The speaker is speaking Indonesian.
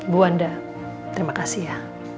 bu wanda terima kasih ya